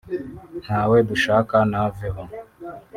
ntawe dushaka naveho’